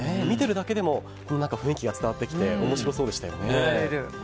見ているだけでも雰囲気が伝わってきて面白そうでしたよね。